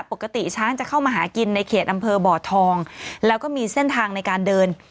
ปกติช้างจะเข้ามาหากินในเขตอำเภอบ่อทองแล้วก็มีเส้นทางในการเดิน